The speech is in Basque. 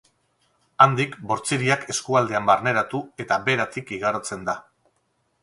Handik Bortziriak eskualdean barneratu eta Beratik igarotzen da.